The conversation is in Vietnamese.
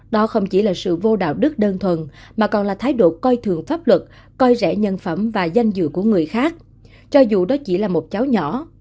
đó không chỉ là sự vô đạo đức đơn thuần mà còn là thái độ coi thường pháp luật coi rẻ nhân phẩm và danh dự của người khác cho dù đó chỉ là một cháu nhỏ